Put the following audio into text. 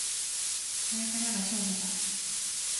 これからが勝負だ